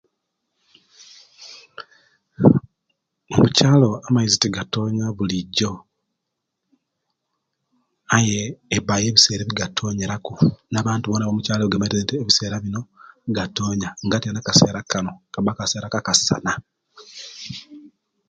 Mukyaalo amaizi tigatoonya bulijo aye ebayo ebiseera byegatonyera ku abantu bona abamukyaalo bamaite nti ebisera bino gatonya nga tyaanu akaseera kanu kabba kaseera ka'kasana